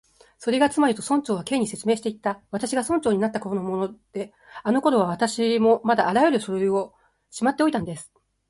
「それがつまり」と、村長は Ｋ に説明していった「私が村長になったころのもので、あのころは私もまだあらゆる書類をしまっておいたんです」